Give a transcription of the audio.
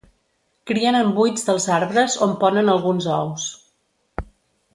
Crien en buits dels arbres on ponen alguns ous.